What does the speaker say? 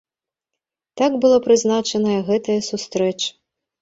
Так была прызначаная гэтая сустрэча.